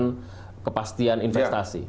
dengan kepastian investasi